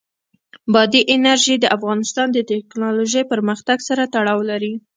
بادي انرژي د افغانستان د تکنالوژۍ پرمختګ سره تړاو لري.